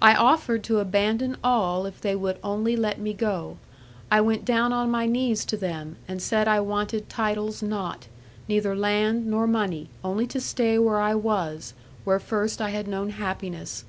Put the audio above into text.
I offered to abandon all if they would only let me go; I went down on my knees to them, and said I wanted titles not, neither land, nor money; only to stay where I was, where first I had known happiness.